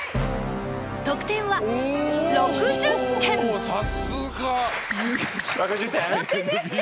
得点は、６０点！